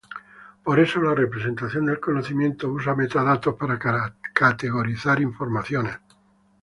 Por eso la representación del conocimiento usa metadatos para categorizar informaciones.